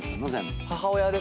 母親ですね。